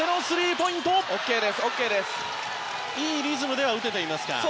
いいリズムでは打てていますか。